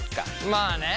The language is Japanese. まあね。